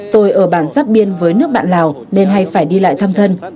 tôi ở bản giáp biên với nước bạn lào nên hay phải đi lại thăm thân